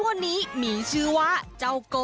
เป็นสุนัขเพศเมียของคุณผีตลกบ้าหมาตาติ้งโหนงนั่นเองค่ะ